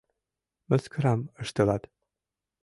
— Мыскарам ыштылат!